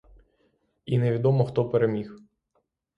І невідомо, хто переміг.